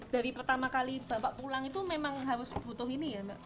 dari pertama kali bapak pulang itu memang harus butuh ini ya mbak